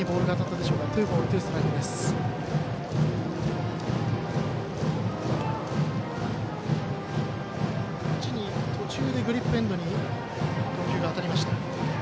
打ちにいく途中でグリップエンドに投球が当たりました。